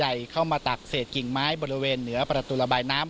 เข้ามาตักเศษกิ่งไม้บริเวณเหนือประตูระบายน้ำ